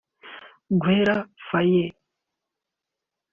Gaël Faye